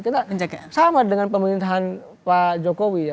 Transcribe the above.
kita sama dengan pemerintahan pak jokowi ya